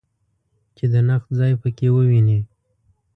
چې د نقد ځای په کې وویني.